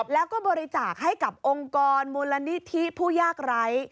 แล้วก็บริจาคให้กับองค์กรมูลนิธิผู้ยากไร้